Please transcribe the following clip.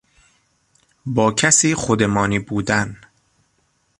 با کسی خودمانی بودن